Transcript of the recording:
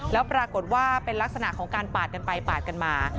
แล้วปรากฏว่าเป็นลักษณะของการปาดกันไปปาดกันมา